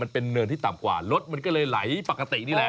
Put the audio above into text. เนินที่ต่ำกว่ารถมันก็เลยไหลปกตินี่แหละ